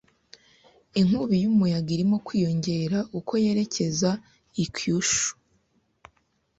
Inkubi y'umuyaga irimo kwiyongera uko yerekeza i Kyushu.